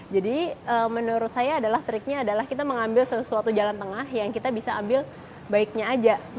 jadi menurut saya adalah triknya adalah kita mengambil sesuatu jalan tengah yang kita bisa ambil baiknya aja